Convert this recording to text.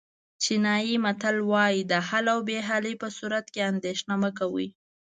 چینایي متل وایي د حل او بې حلۍ په صورت کې اندېښنه مه کوئ.